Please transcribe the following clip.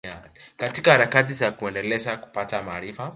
Katika harakati za kuendelea kupata maarifa